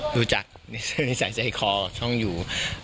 รู้จักนิสัยใจคอช่องอยู่